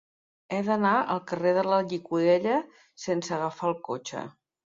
He d'anar al carrer de la Llicorella sense agafar el cotxe.